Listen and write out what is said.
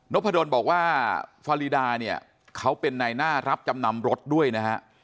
พะดนบอกว่าฟารีดาเนี่ยเขาเป็นในหน้ารับจำนำรถด้วยนะฮะ